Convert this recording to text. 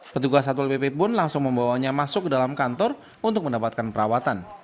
petugas satpol pp pun langsung membawanya masuk ke dalam kantor untuk mendapatkan perawatan